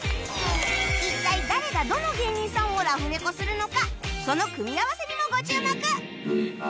一体誰がどの芸人さんをラフレコするのかその組み合わせにもご注目！